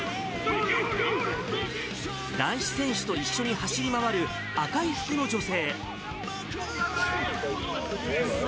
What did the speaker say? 男子選手と一緒に走り回る赤い服の女性。